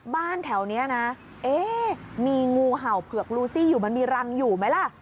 บ้านแถวนี้นะเอ๊ะมีงูเห่าเผือกลูซี่อยู่มันมีรังอยู่ไหมล่ะ